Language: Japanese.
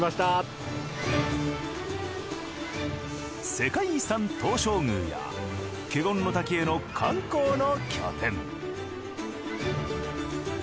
世界遺産東照宮や華厳の滝への観光の拠点。